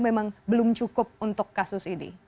memang belum cukup untuk kasus ini